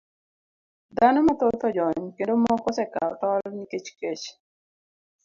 Dhano mathoth ojony kendo moko osekawo tol nikech kech.